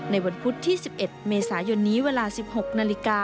วันพุธที่๑๑เมษายนนี้เวลา๑๖นาฬิกา